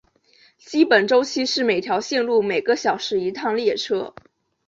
基本周期是每条线路每个小时一趟列车。